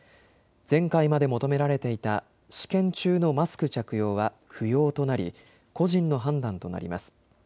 前回まで求められていた試験中のマスク着用は不要となり個人の判断となります。